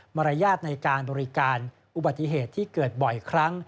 มารยาทในการบริการอุบัติเหตุที่เกิดบ่อยครั้ง